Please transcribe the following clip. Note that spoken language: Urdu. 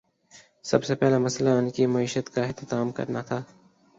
سب سے پہلا مسئلہ ان کی معیشت کا اہتمام کرنا تھا۔